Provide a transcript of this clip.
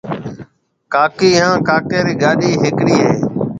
ڪاڪي هانَ ڪاڪِي رِي گاڏِي هَکرِي هيَ۔